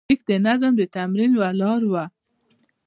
لیک د نظم د تمرین یوه لاره وه.